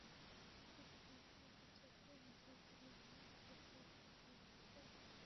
কিন্তু একটি কুচক্রী মহল প্রাণিসম্পদ অধিদপ্তরের প্রস্তাবিত অর্গানোগ্রাম বাস্তবায়নে বাধা দিচ্ছে।